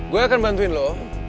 gue akan bantuin lo